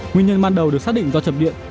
nguyên nhân ban đầu được xác định do chập điện